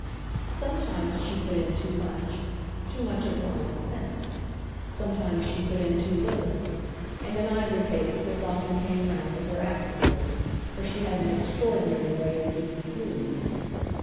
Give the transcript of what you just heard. Sometimes she put in too much—too much of her own sense; sometimes she put in too little; and in either case this often came round to her afterwards, for she had an extraordinary way of keeping clues.